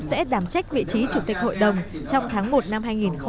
sẽ đảm trách vị trí chủ tịch hội đồng trong tháng một năm hai nghìn hai mươi